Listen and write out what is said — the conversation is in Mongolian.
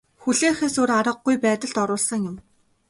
Хүлээхээс өөр аргагүй байдалд оруулсан юм.